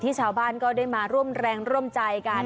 ชาวบ้านก็ได้มาร่วมแรงร่วมใจกัน